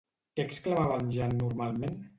Què exclamava en Jan normalment?